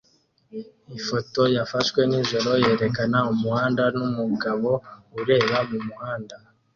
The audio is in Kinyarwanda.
Ifoto yafashwe nijoro yerekana umuhanda numugabo ureba mumuhanda